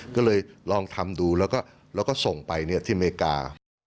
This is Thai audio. ก็เลยลองทำดูแล้วก็ส่งไปที่อเมริกา